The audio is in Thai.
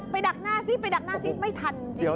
ดักหน้าซิไปดักหน้าซิไม่ทันจริง